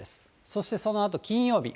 そしてそのあと金曜日。